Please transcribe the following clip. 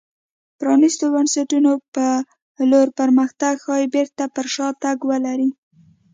پرانېستو بنسټونو په لور پرمختګ ښايي بېرته پر شا تګ ولري.